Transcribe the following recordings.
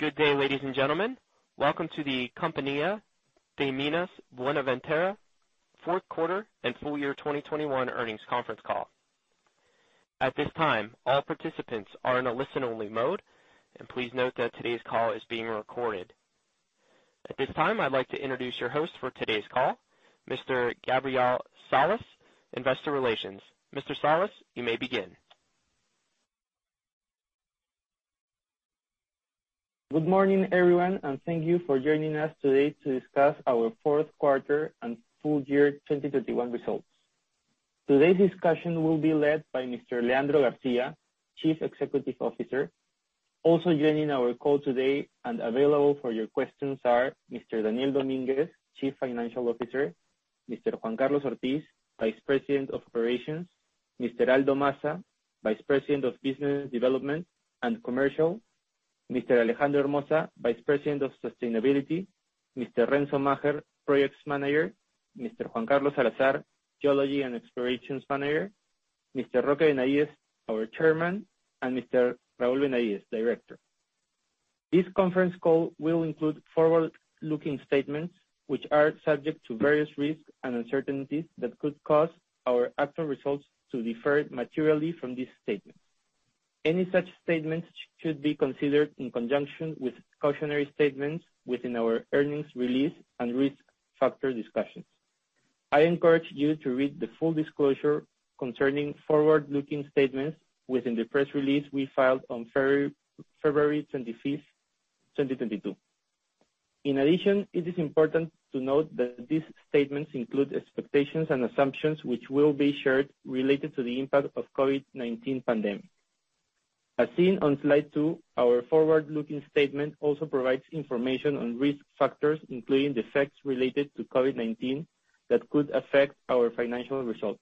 Good day, ladies and gentlemen. Welcome to the Compañía de Minas Buenaventura Fourth Quarter and Full Year 2021 Earnings Conference Call. At this time, all participants are in a listen-only mode, and please note that today's call is being recorded. At this time, I'd like to introduce your host for today's call, Mr. Gabriel Salas, Investor Relations. Mr. Salas, you may begin. Good morning, everyone, and thank you for joining us today to discuss our fourth quarter and full year 2021 results. Today's discussion will be led by Mr. Leandro Garcia, Chief Executive Officer. Also joining our call today and available for your questions are Mr. Daniel Dominguez, Chief Financial Officer, Mr. Juan Carlos Ortiz, Vice President of Operations, Mr. Aldo Massa, Vice President of Business Development and Commercial, Mr. Alejandro Hermoza, Vice President of Sustainability, Mr. Renzo Macher, Projects Manager, Mr. Juan Carlos Salazar, Geology and Explorations Manager, Mr. Roque Benavides, our Chairman, and Mr. Raul Benavides, Director. This conference call will include forward-looking statements, which are subject to various risks and uncertainties that could cause our actual results to differ materially from these statements. Any such statements should be considered in conjunction with cautionary statements within our earnings release and risk factor discussions. I encourage you to read the full disclosure concerning forward-looking statements within the press release we filed on February 25, 2022. In addition, it is important to note that these statements include expectations and assumptions which will be shared related to the impact of COVID-19 pandemic. As seen on slide two, our forward-looking statement also provides information on risk factors, including the effects related to COVID-19 that could affect our financial results.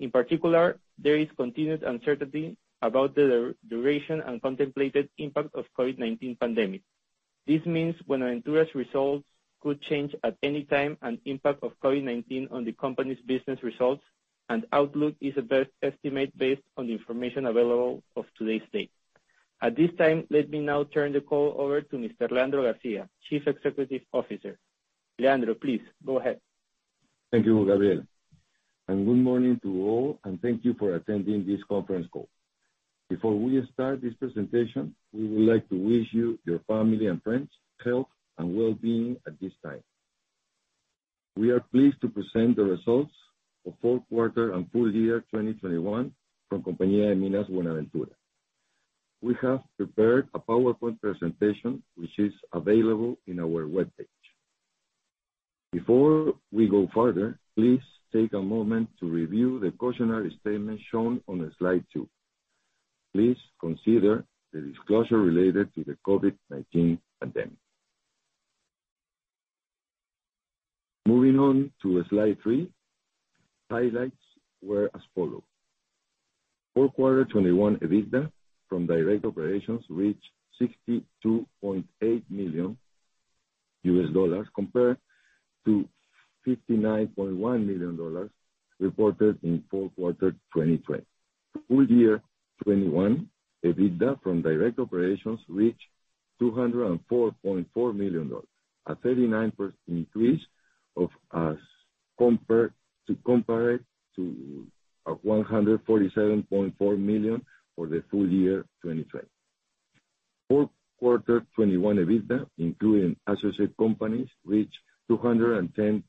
In particular, there is continued uncertainty about the duration and contemplated impact of COVID-19 pandemic. This means Buenaventura's results could change at any time and impact of COVID-19 on the company's business results and outlook is the best estimate based on the information available of today's date. At this time, let me now turn the call over to Mr. Leandro Garcia, Chief Executive Officer. Leandro, please go ahead. Thank you, Gabriel. Good morning to all, and thank you for attending this conference call. Before we start this presentation, we would like to wish you, your family and friends health and well-being at this time. We are pleased to present the results for Fourth Quarter and Full Year 2021 from Compañía de Minas Buenaventura. We have prepared a PowerPoint presentation which is available in our webpage. Before we go further, please take a moment to review the cautionary statement shown on slide two. Please consider the disclosure related to the COVID-19 pandemic. Moving on to slide three, highlights were as follows: Fourth quarter 2021, EBITDA from direct operations reached $62.8 million compared to $59.1 million reported in fourth quarter 2020. Full year 2021, EBITDA from direct operations reached $204.4 million, a 39% increase compared to $147.4 million for the full year 2020. Fourth quarter 2021 EBITDA, including associate companies, reached $210.2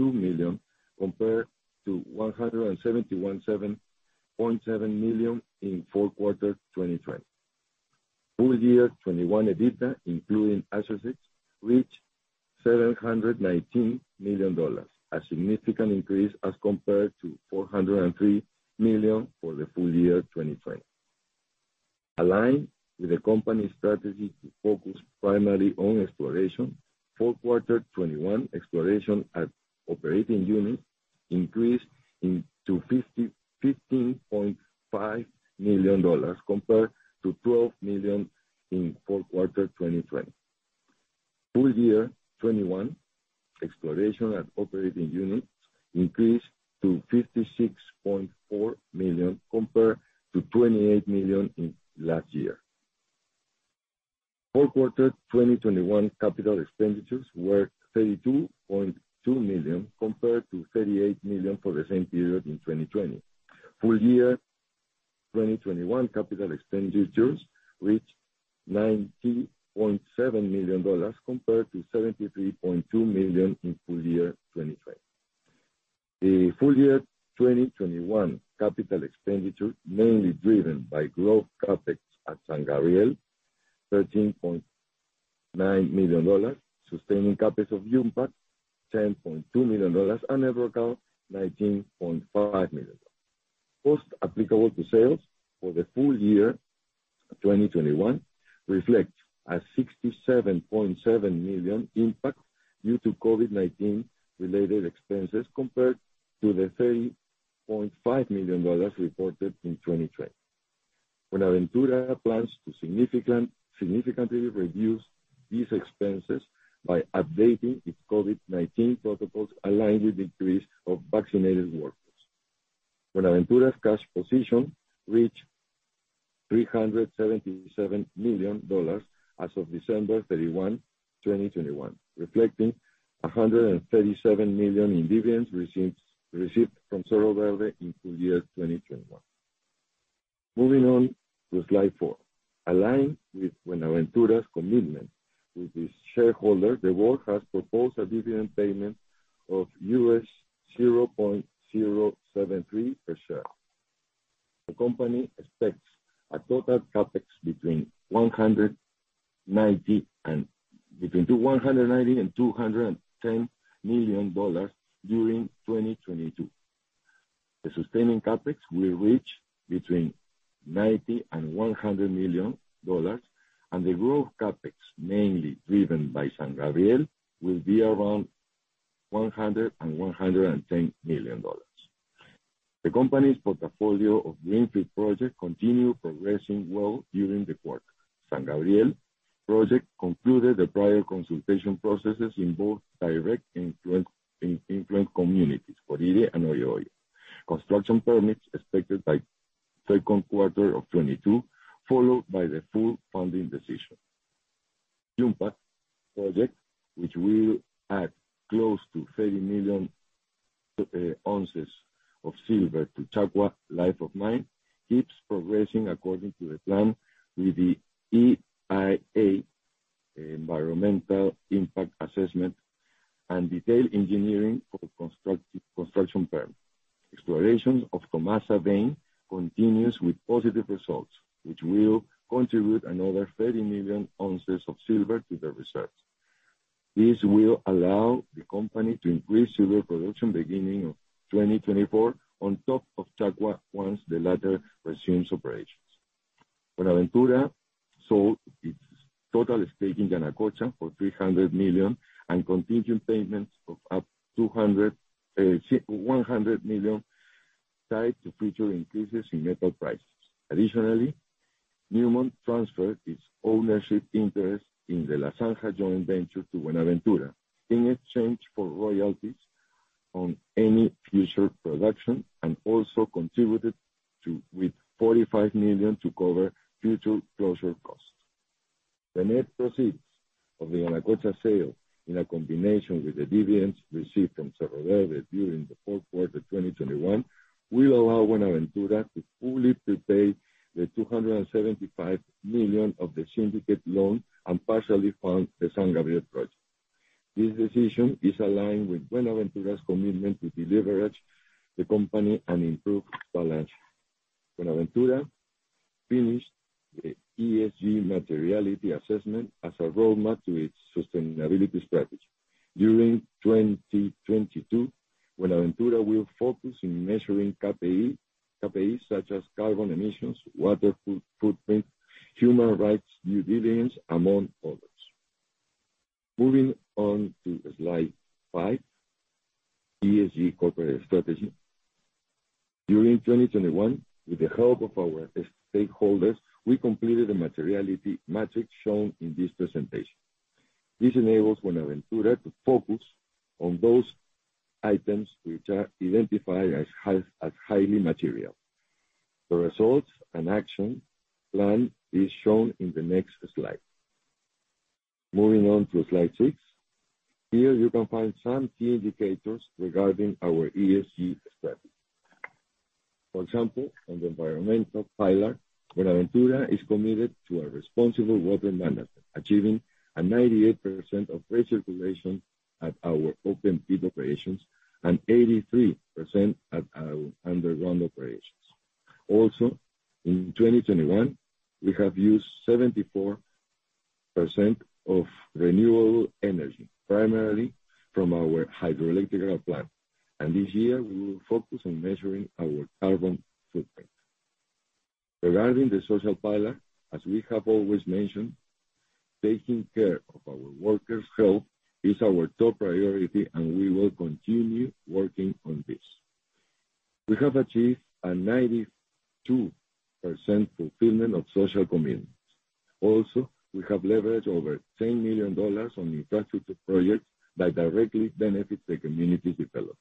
million compared to $171.7 million in fourth quarter 2020. Full year 2021 EBITDA, including associates, reached $719 million, a significant increase as compared to $403 million for the full year 2020. Aligned with the company's strategy to focus primarily on exploration, fourth quarter 2021 exploration at operating units increased to $15.5 million compared to $12 million in fourth quarter 2020. Full year 2021 exploration at operating units increased to $56.4 million compared to $28 million in last year. Fourth quarter 2021 capital expenditures were $32.2 million compared to $38 million for the same period in 2020. Full year 2021 capital expenditures reached $90.7 million compared to $73.2 million in full year 2020. The full year 2021 capital expenditure, mainly driven by growth CapEx at San Gabriel, $13.9 million, sustaining CapEx of Yumpag, $10.2 million, and El Brocal, $19.5 million. Cost applicable to sales for the full year 2021 reflect a $67.7 million impact due to COVID-19 related expenses compared to the $30.5 million reported in 2020. Buenaventura plans to significantly reduce these expenses by updating its COVID-19 protocols aligned with increase of vaccinated workforce. Buenaventura's cash position reached $377 million as of December 31, 2021, reflecting $137 million in dividends received from Cerro Verde in full year 2021. Moving on to slide four. Aligned with Buenaventura's commitment with its shareholder, the board has proposed a dividend payment of $0.073 per share. The company expects a total CapEx between $190 million-$210 million during 2022. The sustaining CapEx will reach between $90 million-$100 million, and the growth CapEx, mainly driven by San Gabriel, will be around $100 million and $110 million. The company's portfolio of greenfield projects continue progressing well during the quarter. San Gabriel project concluded the prior consultation processes in both direct and indirect influence communities. Construction permits expected by Q2 2022, followed by the full funding decision. Yumpag project, which will add close to 30 million ounces of silver to Uchucchacua life of mine, keeps progressing according to the plan with the EIA, Environmental Impact Assessment, and detailed engineering for construction firm. Exploration of Tomasa vein continues with positive results, which will contribute another 30 million ounces of silver to the reserve. This will allow the company to increase silver production beginning of 2024 on top of Uchucchacua once the latter resumes operations. Buenaventura sold its total stake in Yanacocha for $300 million and contingent payments of up to $200 $100 million tied to future increases in metal prices. Newmont transferred its ownership interest in the La Zanja joint venture to Buenaventura in exchange for royalties on any future production, and also contributed with $45 million to cover future closure costs. The net proceeds of the Yanacocha sale, in combination with the dividends received from Cerro Verde during the fourth quarter 2021, will allow Buenaventura to fully pre-pay the $275 million of the syndicate loan and partially fund the San Gabriel project. This decision is aligned with Buenaventura's commitment to deleverage the company and improve its balance sheet. Buenaventura finished the ESG materiality assessment as a roadmap to its sustainability strategy. During 2022, Buenaventura will focus on measuring KPIs such as carbon emissions, water footprint, human rights due diligence, among others. Moving on to slide five, ESG corporate strategy. During 2021, with the help of our stakeholders, we completed the materiality matrix shown in this presentation. This enables Buenaventura to focus on those items which are identified as high, as highly material. The results and action plan is shown in the next slide. Moving on to slide six. Here you can find some key indicators regarding our ESG strategy. For example, on the environmental pillar, Buenaventura is committed to a responsible water management, achieving a 98% of recirculation at our open pit operations and 83% at our underground operations. Also, in 2021, we have used 74% of renewable energy, primarily from our hydroelectric plant. This year, we will focus on measuring our carbon footprint. Regarding the social pillar, as we have always mentioned, taking care of our workers' health is our top priority, and we will continue working on this. We have achieved a 92% fulfillment of social commitments. We have leveraged over $10 million on infrastructure projects that directly benefit the communities we develop.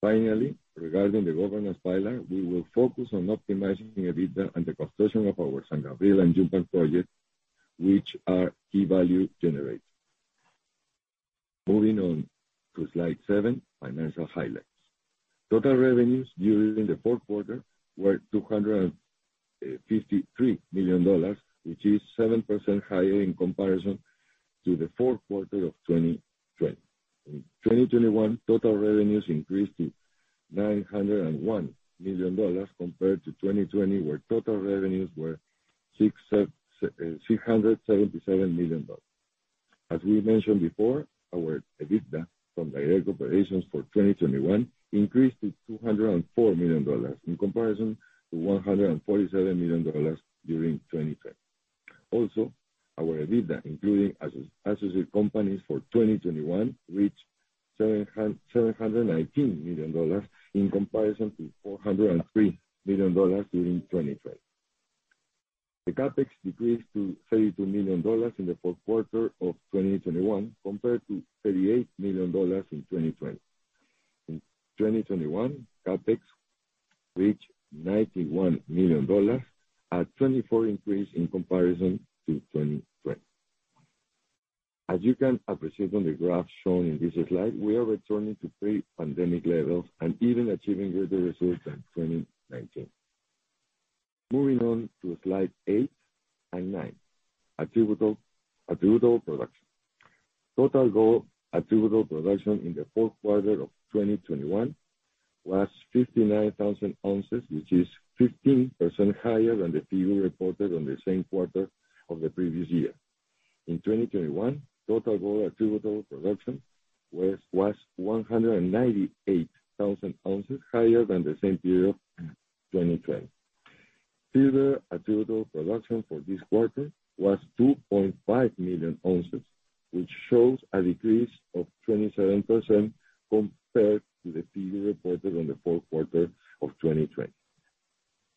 Finally, regarding the governance pillar, we will focus on optimizing the EBITDA and the construction of our San Gabriel and Yumpag projects, which are key value generators. Moving on to slide seven, financial highlights. Total revenues during the fourth quarter were $253 million, which is 7% higher in comparison to the fourth quarter of 2020. In 2021, total revenues increased to $901 million compared to 2020, where total revenues were $677 million. As we mentioned before, our EBITDA from direct operations for 2021 increased to $204 million, in comparison to $147 million during 2020. Also, our EBITDA, including associated companies for 2021, reached $719 million , in comparison to $403 million during 2020. The CapEx decreased to $32 million in the fourth quarter of 2021 compared to $38 million in 2020. In 2021, CapEx reached $91 million, a 24% increase in comparison to 2020. As you can appreciate on the graph shown in this slide, we are returning to pre-pandemic levels and even achieving greater results than 2019. Moving on to slide eight and nine, attributable production. Total gold attributable production in the fourth quarter of 2021 was 59,000 ounces, which is 15% higher than the figure reported on the same quarter of the previous year. In 2021, total gold attributable production was 198,000 ounces, higher than the same period in 2020. Silver attributable production for this quarter was 2.5 million ounces, which shows a decrease of 27% compared to the figure reported on the fourth quarter of 2020.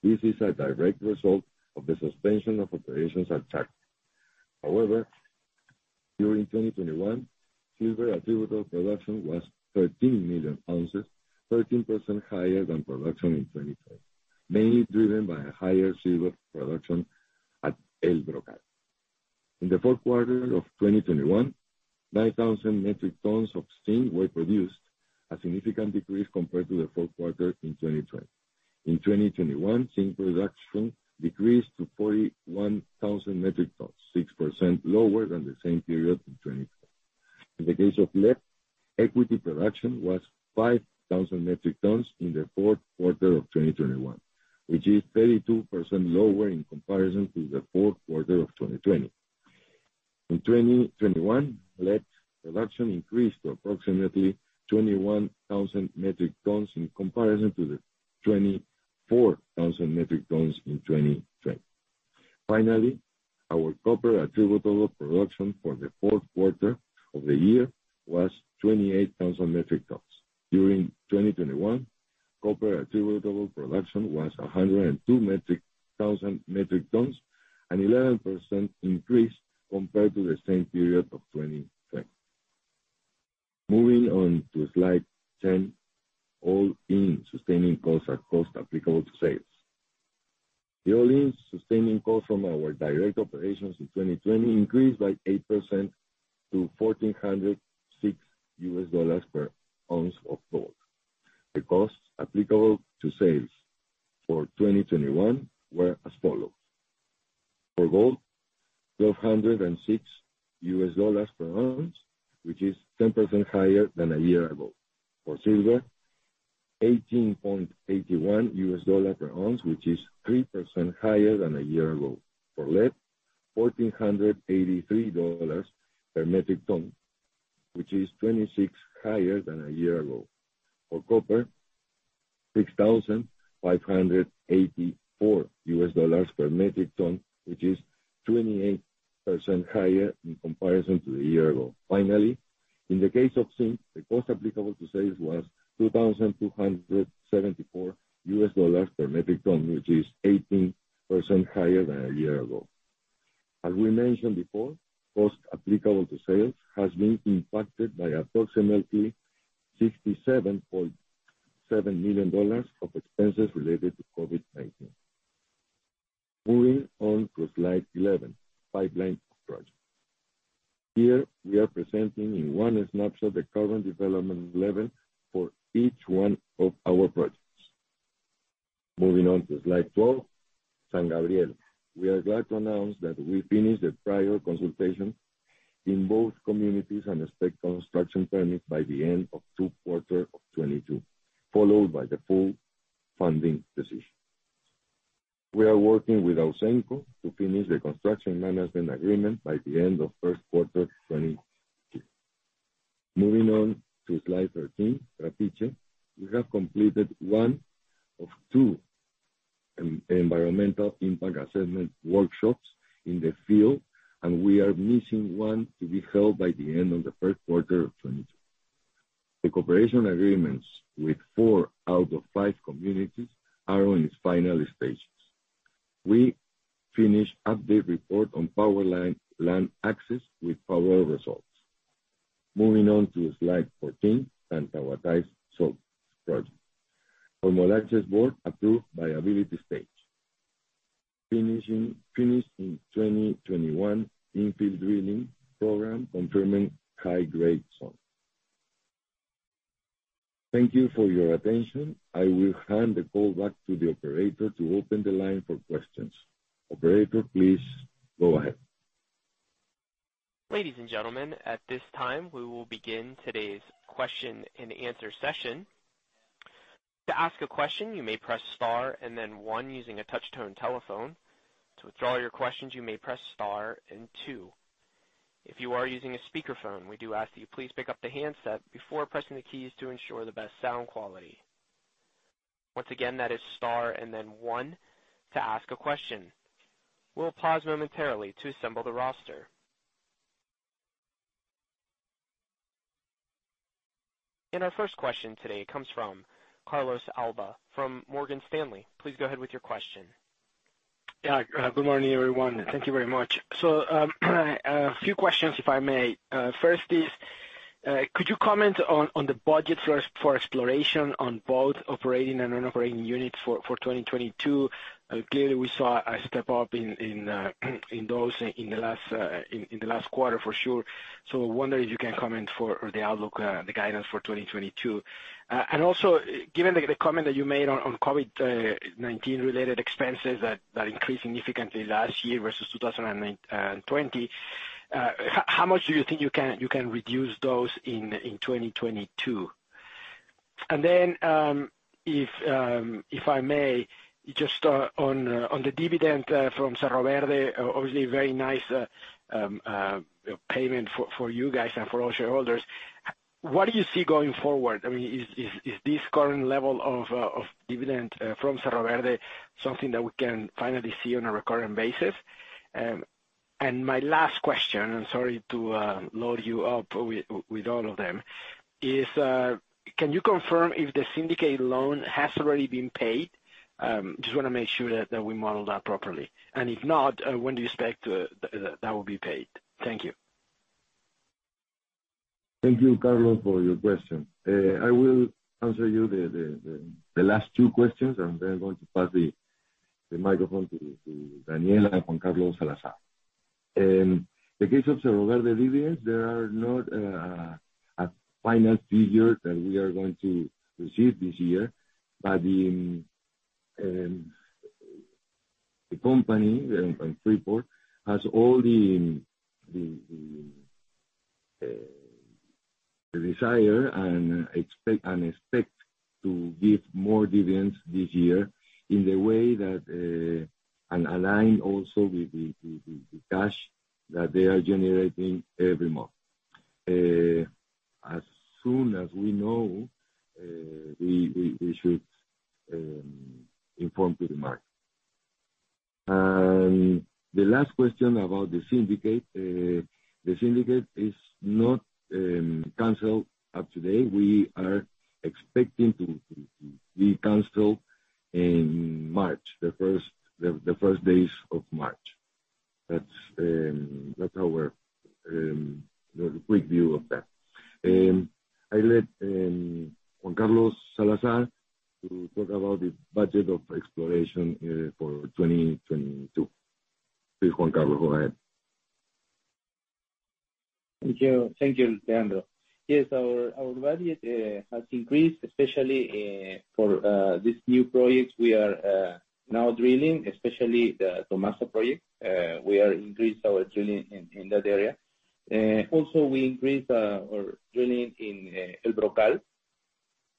This is a direct result of the suspension of operations at Uchucchacua. However, during 2021, silver attributable production was 13 million ounces, 13% higher than production in 2020, mainly driven by a higher silver production at El Brocal. In the fourth quarter of 2021, 9,000 metric tons of zinc were produced, a significant decrease compared to the fourth quarter in 2020. In 2021, zinc production decreased to 41,000 metric tons, 6% lower than the same period in 2020. In the case of lead, equity production was 5,000 metric tons in the fourth quarter of 2021, which is 32% lower in comparison to the fourth quarter of 2020. In 2021, lead production increased to approximately 21,000 metric tons in comparison to the 24,000 metric tons in 2020. Finally, our copper attributable production for the fourth quarter of the year was 28,000 metric tons. During 2021, copper attributable production was 102,000 metric tons, an 11% increase compared to the same period of 2020. Moving on to slide ten, all-in sustaining costs are costs applicable to sales. The all-in sustaining cost from our direct operations in 2020 increased by 8% to $1,406 per ounce of gold. The costs applicable to sales for 2021 were as follows: For gold, $1,206 per ounce, which is 10% higher than a year ago. For silver, $18.81 per ounce, which is 3% higher than a year ago. For lead, $1,483 per metric ton, which is 26% higher than a year ago. For copper, $6,584 per metric ton, which is 28% higher in comparison to a year ago. Finally, in the case of zinc, the cost applicable to sales was $2,274 per metric ton, which is 18% higher than a year ago. As we mentioned before, cost applicable to sales has been impacted by approximately $67.7 million of expenses related to COVID-19. Moving on to slide 11, pipeline of projects. Here, we are presenting in one snapshot the current development level for each one of our projects. Moving on to slide 12, San Gabriel. We are glad to announce that we finished the prior consultation in both communities and expect construction permit by the end of 2Q 2022, followed by the full funding decision. We are working with Ausenco to finish the construction management agreement by the end of Q1 2022. Moving on to slide 13, Trapiche. We have completed one of two environmental impact assessment workshops in the field, and we are missing one to be held by the end of the first quarter of 2022. The cooperation agreements with four out of five communities are on its final stages. We finished the update report on power line, land access with power results. Moving on to slide 14, San Gabriel project. The homologation board approved the viability stage. Finished in 2021 in-pit drilling program confirming high-grade zone. Thank you for your attention. I will hand the call back to the operator to open the line for questions. Operator, please go ahead. Ladies and gentlemen, at this time, we will begin today's question-and-answer session. To ask a question, you may press star and then one using a touch-tone telephone. To withdraw your questions, you may press star and two. If you are using a speakerphone, we do ask that you please pick up the handset before pressing the keys to ensure the best sound quality. Once again, that is star and then one to ask a question. We'll pause momentarily to assemble the roster. Our first question today comes from Carlos de Alba from Morgan Stanley. Please go ahead with your question. Good morning, everyone. Thank you very much. A few questions, if I may. First is, could you comment on the budget for exploration on both operating and non-operating units for 2022? Clearly we saw a step up in those in the last quarter for sure. Wondering if you can comment for the outlook, the guidance for 2022. And also, given the comment that you made on COVID-19 related expenses that increased significantly last year versus 2019 and 2020, how much do you think you can reduce those in 2022? If I may, just on the dividend from Cerro Verde, obviously very nice payment for you guys and for all shareholders. What do you see going forward? I mean, is this current level of dividend from Cerro Verde something that we can finally see on a recurring basis? My last question, I'm sorry to load you up with all of them, is can you confirm if the syndicated loan has already been paid? Just wanna make sure that we model that properly. If not, when do you expect that will be paid? Thank you. Thank you, Carlos, for your question. I will answer you the last two questions, and then I'm going to pass the microphone to Daniela and Juan Carlos Salazar. In the case of Cerro Verde dividends, there are not a final figure that we are going to receive this year. But the company, Freeport has all the desire and expect to give more dividends this year in the way that, and aligned also with the cash that they are generating every month. As soon as we know, we should inform to the market. The last question about the syndicate. The syndicate is not canceled up to date. We are expecting to be canceled in March, the first days of March. That's our quick view of that. I'll let Juan Carlos Salazar to talk about the budget of exploration for 2022. Please, Juan Carlos, go ahead. Thank you. Thank you, Leandro. Yes, our budget has increased especially for these new projects we are now drilling, especially the Tomasa project. We have increased our drilling in that area. Also we increased our drilling in El Brocal,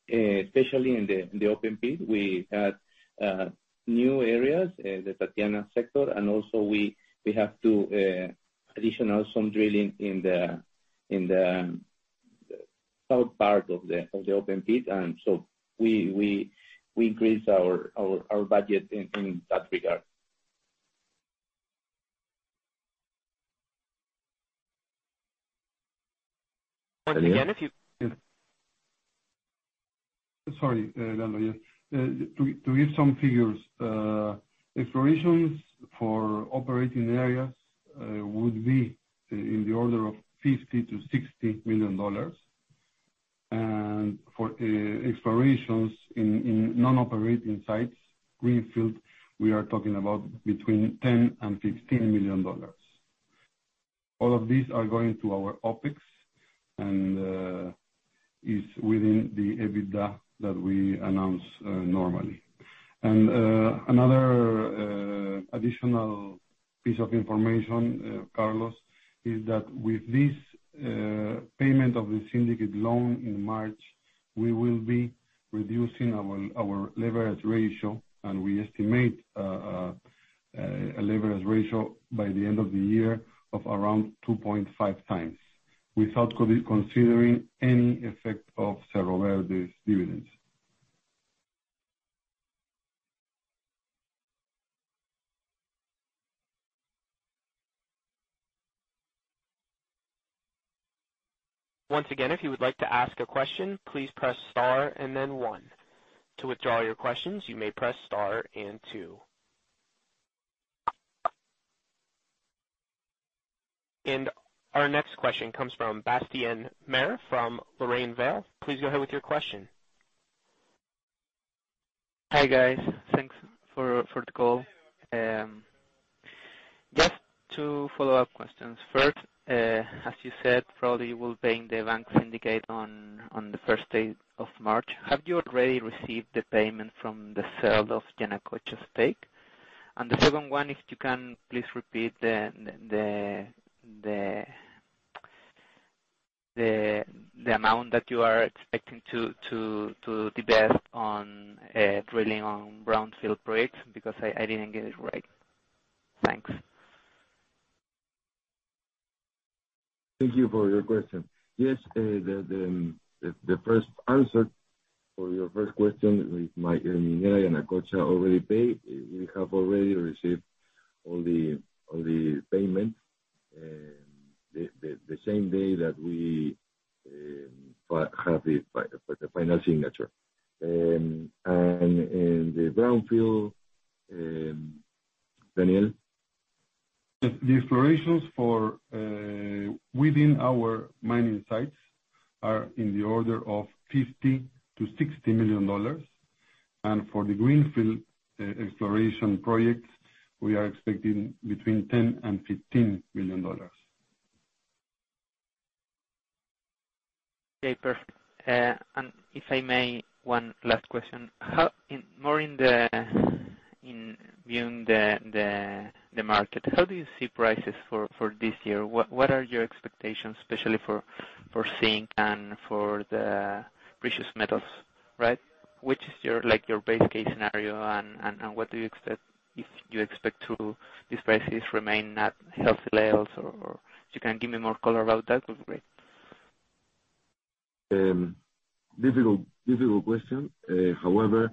especially in the open pit. We had new areas, the Tatiana sector, and also we have additional drilling in the south part of the open pit. We increased our budget in that regard. Once again, if you- Sorry, Leandro, yes. To give some figures. Explorations for operating areas would be in the order of $50 million-$60 million. For explorations in non-operating sites, greenfield, we are talking about between $10 million and $15 million. All of these are going to our OpEx and is within the EBITDA that we announce normally. Another additional piece of information, Carlos, is that with this payment of the syndicated loan in March, we will be reducing our leverage ratio. We estimate a leverage ratio by the end of the year of around 2.5x without considering any effect of Cerro Verde's dividends. Once again, if you would like to ask a question, please press star and then one. To withdraw your questions, you may press star and two. Our next question comes from Bastien Maire from LarrainVial. Please go ahead with your question. Hi, guys. Thanks for the call. Just two follow-up questions. First, as you said, probably you will paying the bank syndicate on the first day of March. Have you already received the payment from the sale of Yanacocha's stake? The second one, if you can please repeat the amount that you are expecting to invest on drilling on brownfield projects, because I didn't get it right. Thanks. Thank you for your question. Yes, for your first question with Yanacocha already paid, we have already received all the payment the same day that we have the final signature. In the brownfield, Daniel? The explorations within our mining sites are in the order of $50 million-$60 million. For the greenfield exploration projects, we are expecting between $10 million and $15 million. Okay. Perfect. If I may, one last question. In viewing the market, how do you see prices for this year? What are your expectations, especially for zinc and for the precious metals, right? What is your, like, your base case scenario and what do you expect if you expect these prices to remain at healthy levels? Or if you can give me more color about that's great. Difficult question. However,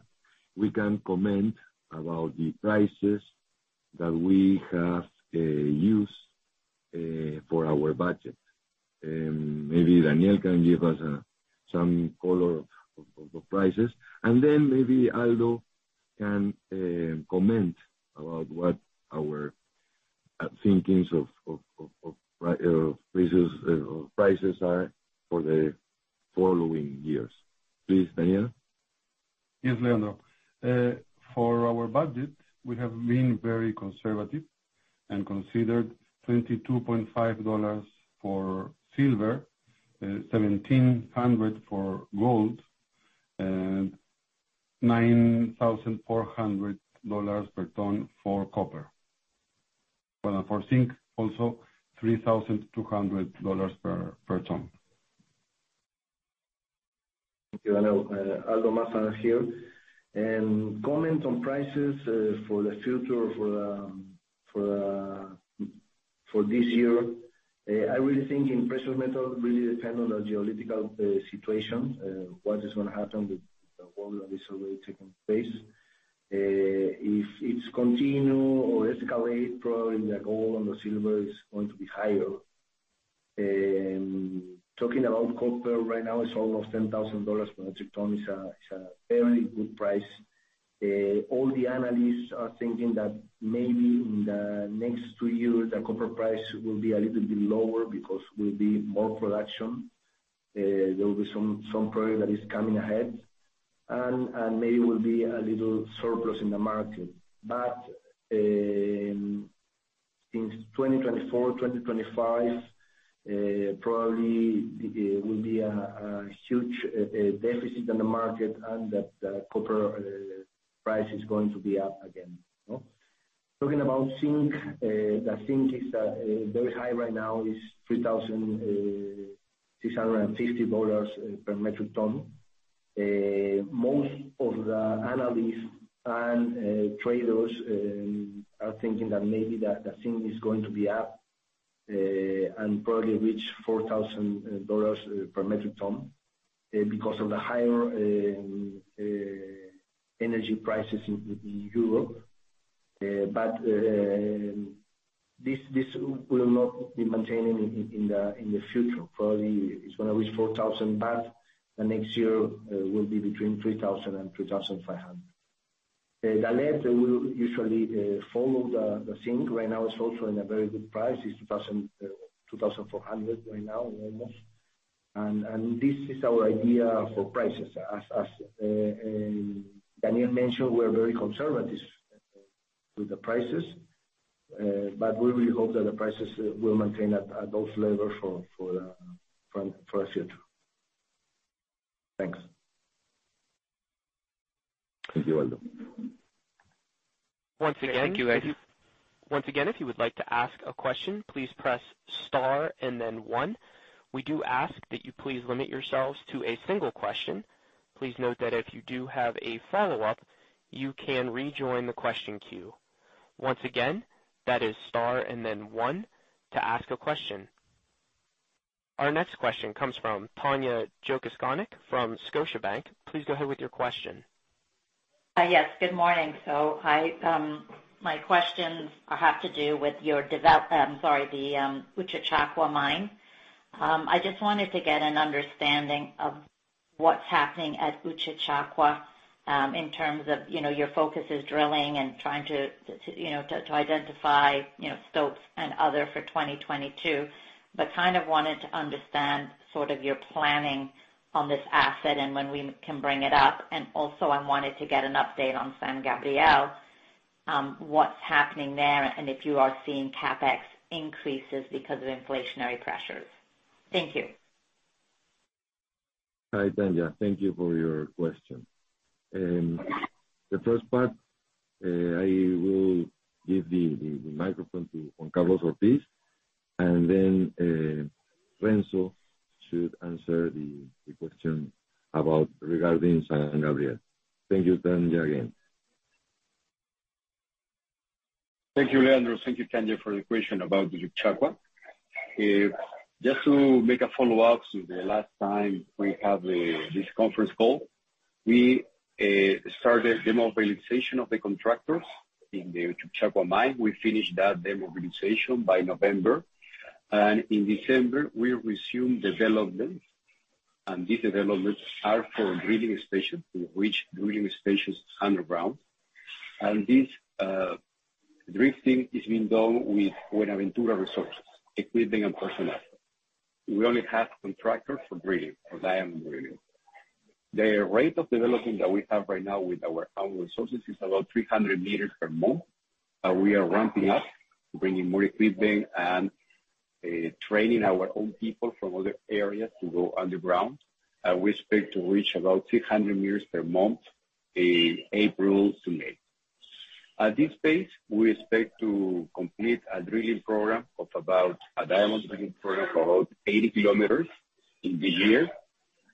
we can comment about the prices that we have used for our budget. Maybe Daniel can give us some color of the prices. Maybe Aldo can comment about what our thinkings of prices are for the following years. Please, Daniel. Yes, Leandro. For our budget, we have been very conservative and considered $22.5 for silver, $1,700 for gold, $9,400 per ton for copper. Well, for zinc, also $3,200 per ton. Thank you. Hello, Aldo Massa here. Comment on prices for the future, for this year. I really think in precious metal really depend on the geopolitical situation, what is gonna happen with the war that is already taking place. If it continue or escalate, probably the gold and the silver is going to be higher. Talking about copper right now, it's almost $10,000 per metric ton. It's a very good price. All the analysts are thinking that maybe in the next two years, the copper price will be a little bit lower because there will be more production. There will be some project that is coming ahead and maybe there will be a little surplus in the market. In 2024,2025, probably will be a huge deficit in the market and that the copper price is going to be up again. Talking about zinc, the zinc is very high right now, is $3,650 per metric ton. Most of the analysts and traders are thinking that maybe the zinc is going to be up and probably reach $4,000 per metric ton because of the higher energy prices in Europe. This will not be maintaining in the future. Probably it's gonna reach 4,000, but the next year will be between $3,000 and $3,500. The lead will usually follow the zinc. Right now it's also in a very good price. It's $2,400 right now almost. This is our idea for prices. As Daniel mentioned, we're very conservative with the prices, but we really hope that the prices will maintain at those levels for the future. Thanks. Thank you, Aldo. Once again. Thank you. Once again, if you would like to ask a question, please press star and then one. We do ask that you please limit yourselves to a single question. Please note that if you do have a follow-up, you can rejoin the question queue. Once again, that is star and then one to ask a question. Our next question comes from Tanya Jakusconek from Scotiabank. Please go ahead with your question. Yes. Good morning. My questions have to do with the Uchucchacua mine. I just wanted to get an understanding of what's happening at Uchucchacua, in terms of, you know, your focus is drilling and trying to identify, you know, stopes and other for 2022. I kind of wanted to understand sort of your planning on this asset and when we can bring it up. I wanted to get an update on San Gabriel, what's happening there, and if you are seeing CapEx increases because of inflationary pressures. Thank you. Hi, Tanya. Thank you for your question. The first part, I will give the microphone to Juan Carlos Ortiz, and then Renzo should answer the question about regarding San Gabriel. Thank you, Tanya, again. Thank you, Leandro. Thank you, Tanya, for the question about the Uchucchacua. Just to make a follow-up to the last time we have this conference call, we started demobilization of the contractors in the Uchucchacua mine. We finished that demobilization by November. In December, we resumed development. These developments are for drilling station to reach drilling stations underground. This drifting is being done with Buenaventura resources, equipment, and personnel. We only have contractors for drilling, for diamond drilling. The rate of development that we have right now with our own resources is about 300 m per month, but we are ramping up, bringing more equipment and training our own people from other areas to go underground. We expect to reach about 300 m per month in April to May. At this phase, we expect to complete a diamond drilling program for about 80 km in the year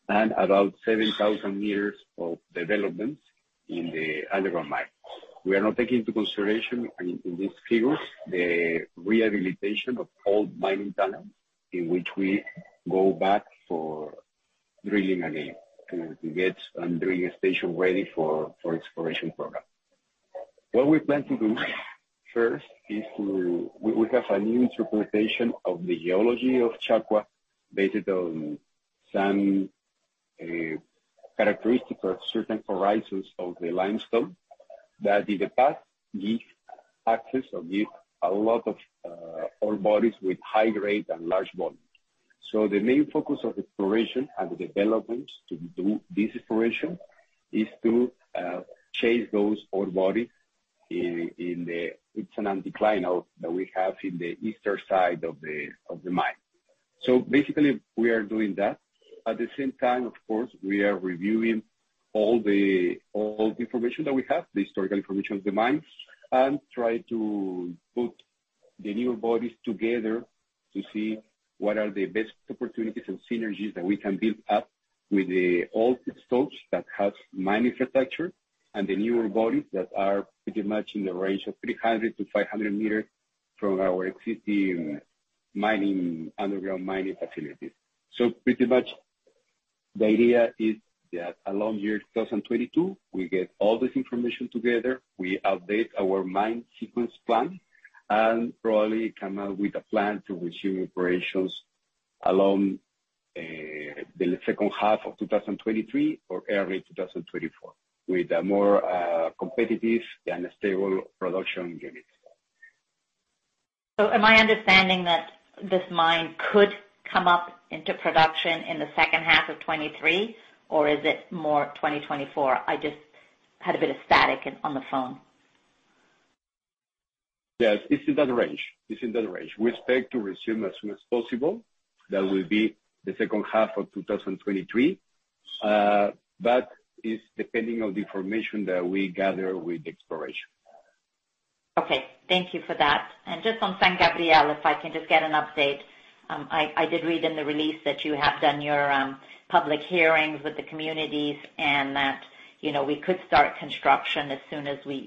and about 7,000 m of development in the underground mine. We are not taking into consideration in this figure the rehabilitation of old mining tunnels in which we go back for drilling again to get a drilling station ready for exploration program. What we plan to do first is we have a new interpretation of the geology of Chacua based on some characteristics of certain horizons of the limestone that in the past give access or give a lot of ore bodies with high grade and large volumes. The main focus of exploration and development to do this exploration is to chase those ore bodies in the Estandarte decline that we have in the eastern side of the mine. Basically, we are doing that. At the same time, of course, we are reviewing all the information that we have, the historical information of the mine, and try to put the new bodies together to see what are the best opportunities and synergies that we can build up with the old stocks that have mine infrastructure and the newer bodies that are pretty much in the range of 300 m-500 m from our existing mining, underground mining facilities. Pretty much the idea is that in 2022, we get all this information together, we update our mine sequence plan and probably come out with a plan to resume operations in the second half of 2023 or early 2024 with a more competitive and stable production unit. Am I understanding that this mine could come up into production in the second half of 2023, or is it more 2024? I just had a bit of static on the phone. Yes, it's in that range. We expect to resume as soon as possible. That will be the second half of 2023. It's depending on the information that we gather with exploration. Okay. Thank you for that. Just on San Gabriel, if I can just get an update. I did read in the release that you have done your public hearings with the communities and that, you know, we could start construction as soon as we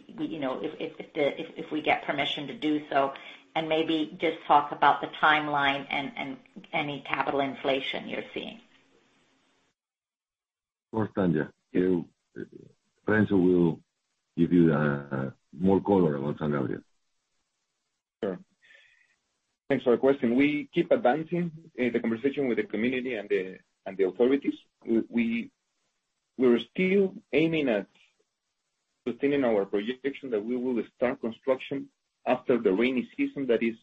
get permission to do so. Maybe just talk about the timeline and any capital inflation you're seeing. Of course, Tanya. You know, Renzo will give you more color about San Gabriel. Sure. Thanks for the question. We keep advancing in the conversation with the community and the authorities. We're still aiming at sustaining our projection that we will start construction after the rainy season, that is,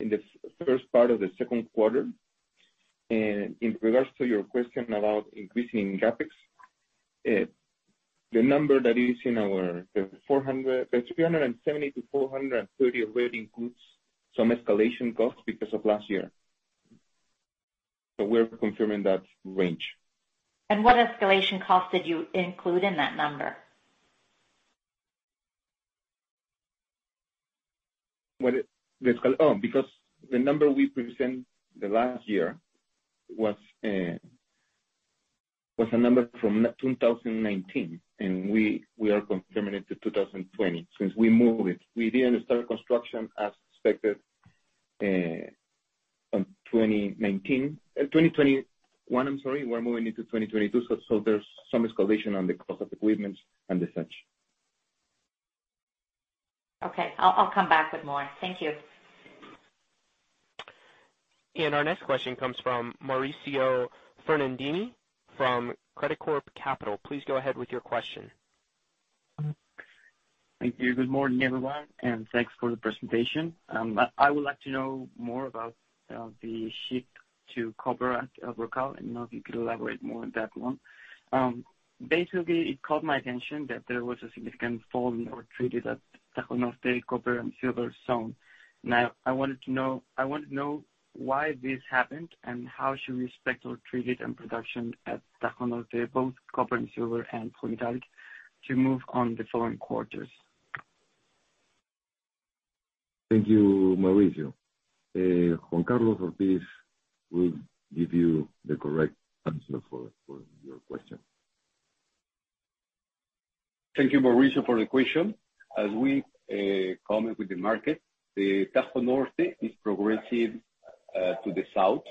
in the first part of the second quarter. In regards to your question about increasing CapEx, the number that is in our 370-430 already includes some escalation costs because of last year. We're confirming that range. What escalation cost did you include in that number? Because the number we present the last year was a number from 2019, and we are confirming it to 2020 since we moved it. We didn't start construction as expected in 2021, I'm sorry. We're moving into 2022. There's some escalation on the cost of equipment and such. Okay. I'll come back with more. Thank you. Our next question comes from Mauricio Fernandini from Credicorp Capital. Please go ahead with your question. Thank you. Good morning, everyone, and thanks for the presentation. I would like to know more about the shift to copper at El Brocal, and I don't know if you could elaborate more on that one. Basically, it caught my attention that there was a significant fall in ore treated at Tajo Narte copper and silver zone. I want to know why this happened and how should we expect ore treated and production at Tajo Norte, both copper and silver and polymetallic, to move on the following quarters. Thank you, Mauricio. Juan Carlos Ortiz will give you the correct answer for your question. Thank you, Mauricio, for the question. As we commented to the market, the Tajo Norte is progressing to the south.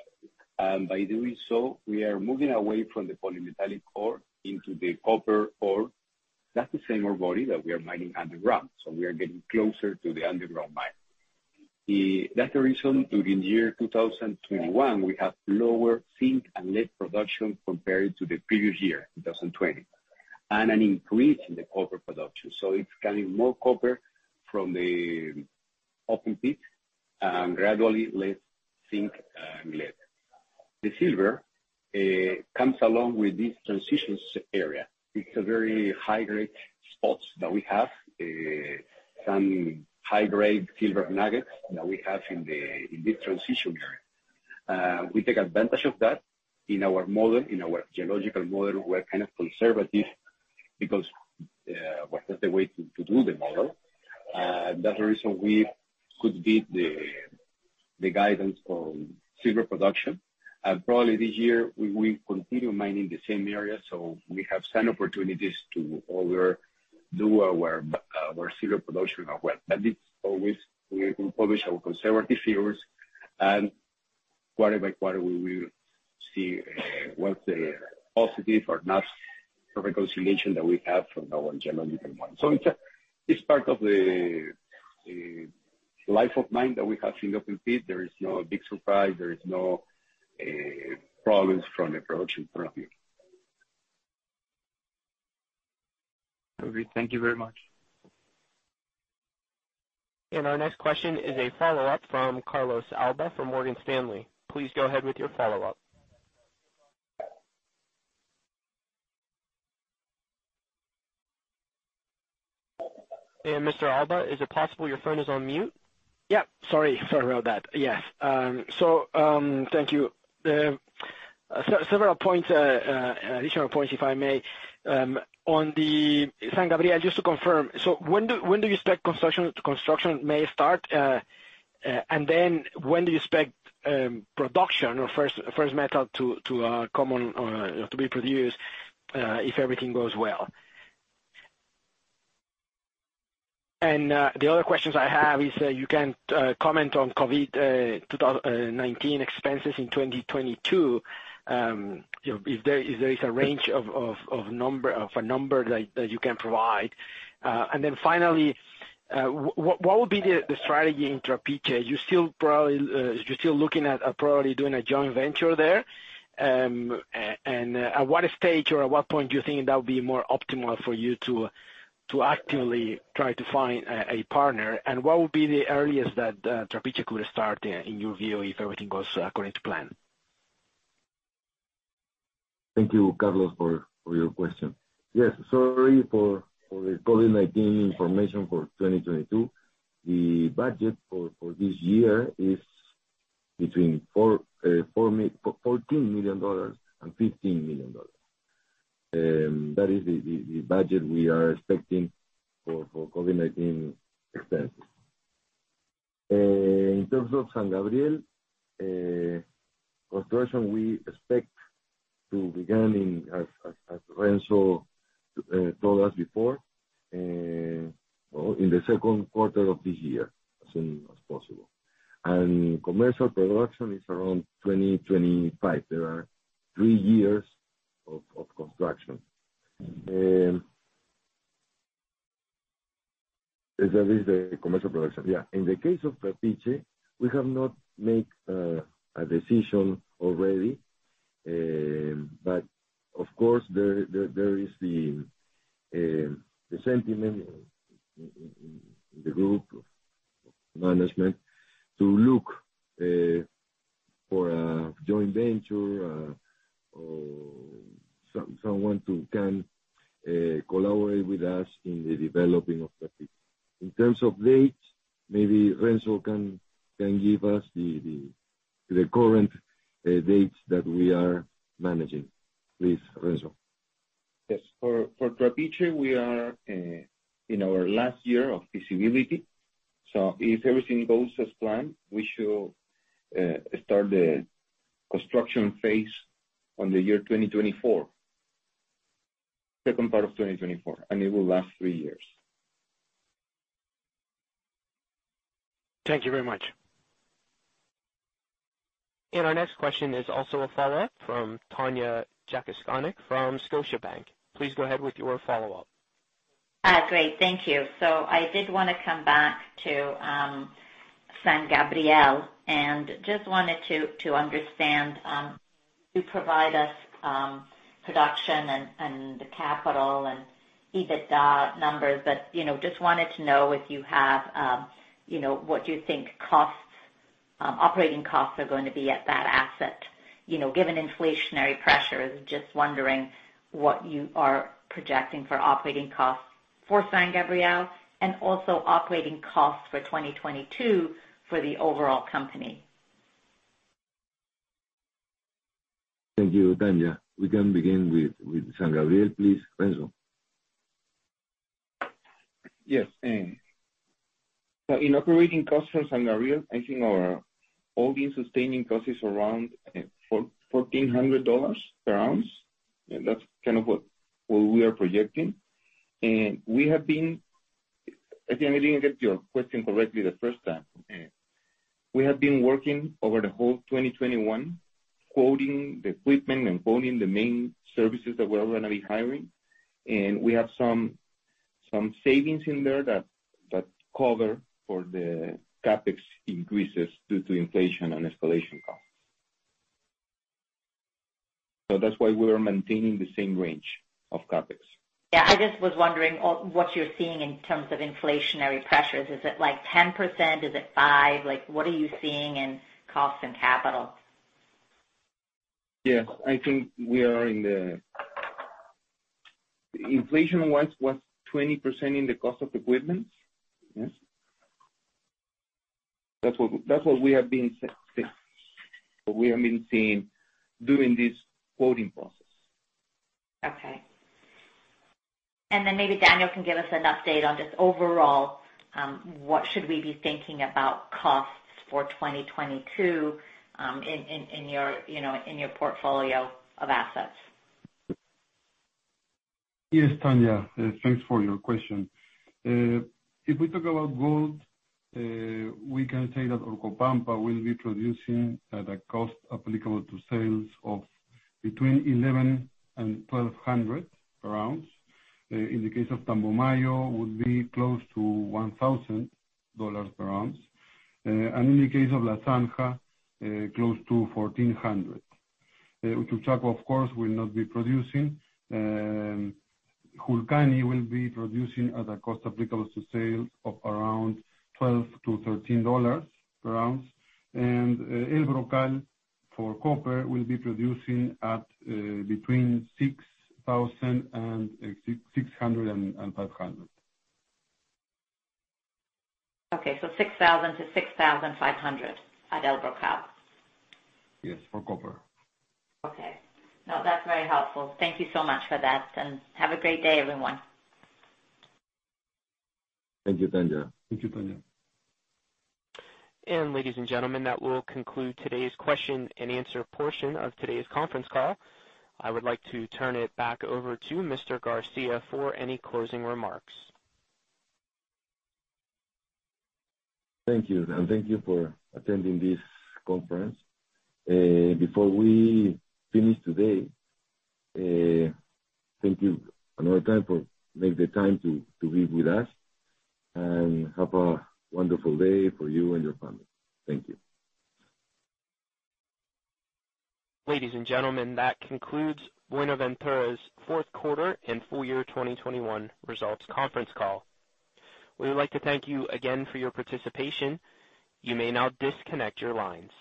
By doing so, we are moving away from the polymetallic ore into the copper ore. That's the same ore body that we are mining underground, so we are getting closer to the underground mine. That's the reason during the year 2021, we have lower zinc and lead production compared to the previous year, 2020, and an increase in the copper production. It's getting more copper from the open pit and gradually less zinc and lead. The silver comes along with this transition area. It's a very high-grade spots that we have, some high-grade silver nuggets that we have in the, in this transition area. We take advantage of that in our model. In our geological model, we're kind of conservative because that's the way to do the model. That reason we could beat the guidance on silver production. Probably this year we will continue mining the same area, so we have some opportunities to overdo our silver production as well. It's always we publish our conservative figures and quarter-by-quarter we will see what's a positive or not reconciliation that we have from our geological model. It's part of the life of mine that we have in open pit. There is no big surprise. There is no problems from the production point of view. Okay. Thank you very much. Our next question is a follow-up from Carlos de Alba from Morgan Stanley. Please go ahead with your follow-up. Mr. de Alba, is it possible your phone is on mute? Yeah. Sorry about that. Yes. Thank you. Several additional points, if I may. On the San Gabriel, just to confirm, when do you expect construction may start, and then when do you expect production or first metal to come on to be produced, if everything goes well? The other questions I have is you can comment on COVID-19 expenses in 2022. You know, if there is a range of a number that you can provide. And then finally, what would be the strategy in Trapiche? You're still probably looking at doing a joint venture there. At what stage or at what point do you think that would be more optimal for you to actively try to find a partner? What would be the earliest that Trapiche could start, in your view, if everything goes according to plan? Thank you, Carlos, for your question. Yes, sorry for the COVID-19 information for 2022. The budget for this year is between $14 million and $15 million. That is the budget we are expecting for COVID-19 expenses. In terms of San Gabriel construction we expect to begin, as Renzo told us before, in the second quarter of this year, as soon as possible. Commercial production is around 2025. There are three years of construction. That is the commercial production. In the case of Trapiche, we have not make a decision already. Of course, there is the sentiment in the group management to look for a joint venture or someone to come collaborate with us in the developing of Trapiche. In terms of dates, maybe Renzo can give us the current dates that we are managing. Please, Renzo. Yes. For Trapiche, we are in our last year of feasibility. If everything goes as planned, we should start the construction phase in the year 2024, second part of 2024, and it will last three years. Thank you very much. Our next question is also a follow-up from Tanya Jakusconek from Scotiabank. Please go ahead with your follow-up. Great. Thank you. I did want to come back to San Gabriel, and just wanted to understand you provided us production and the capital and EBITDA numbers. You know, just wanted to know if you have, you know, what you think the costs operating costs are going to be at that asset. You know, given inflationary pressures, just wondering what you are projecting for operating costs for San Gabriel and also operating costs for 2022 for the overall company. Thank you, Tanya. We can begin with San Gabriel, please. Renzo. Yes. In operating costs for San Gabriel, I think our all-in sustaining cost is around $1,400 per ounce. That's kind of what we are projecting. I think I didn't get your question correctly the first time. We have been working over the whole 2021 quoting the equipment and quoting the main services that we're gonna be hiring. We have some savings in there that cover for the CapEx increases due to inflation and escalation costs. That's why we are maintaining the same range of CapEx. Yeah, I just was wondering on what you're seeing in terms of inflationary pressures. Is it like 10%? Is it 5%? Like, what are you seeing in costs and capital? Yes. I think we are in the inflation. Inflation was 20% in the cost of equipment. Yes. That's what we have been seeing during this quoting process. Okay. Maybe Daniel can give us an update on just overall, what should we be thinking about costs for 2022, in your, you know, in your portfolio of assets? Yes, Tanya. Thanks for your question. If we talk about gold, we can say that Orcopampa will be producing at a cost applicable to sales of between $1,100-$1,200 per ounce. In the case of Tambomayo, it would be close to $1,000 per ounce. In the case of La Zanja, close to $1,400. Uchucchacua, of course, will not be producing. Julcani will be producing at a cost applicable to sales of around $12-$13 per ounce. El Brocal for copper will be producing at between $6,000-$6500. $6,000-$6,500 at El Brocal. Yes, for copper. Okay. No, that's very helpful. Thank you so much for that, and have a great day, everyone. Thank you, Tanya. Thank you, Tanya. Ladies and gentlemen, that will conclude today's question and answer portion of today's conference call. I would like to turn it back over to Mr. Garcia for any closing remarks. Thank you. Thank you for attending this conference. Before we finish today, thank you another time for make the time to be with us, and have a wonderful day for you and your family. Thank you. Ladies and gentlemen, that concludes Buenaventura's Fourth Quarter and Full Year 2021 Results Conference Call. We would like to thank you again for your participation. You may now disconnect your lines.